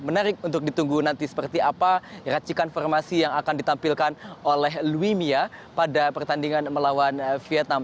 menarik untuk ditunggu nanti seperti apa racikan formasi yang akan ditampilkan oleh louis mia pada pertandingan melawan vietnam